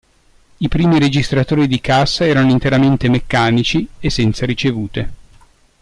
I primi registratori di cassa erano interamente meccanici e senza ricevute.